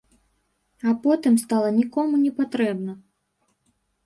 А потым стала нікому не патрэбна.